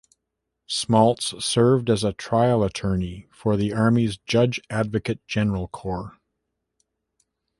Smaltz served as a trial attorney for the Army's Judge Advocate General Corps.